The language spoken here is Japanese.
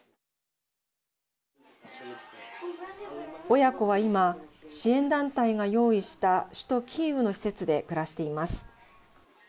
親子は今、支援団体が用意した首都キーウの施設で暮らしています。